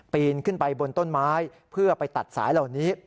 นขึ้นไปบนต้นไม้เพื่อไปตัดสายเหล่านี้